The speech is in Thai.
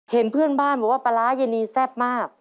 เห็นเพื่อนบ้านบอกว่าปลาร้ายะนีแซ่บมาก